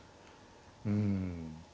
うん。